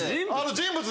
人物？